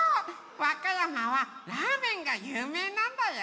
わかやまはラーメンがゆうめいなんだよ。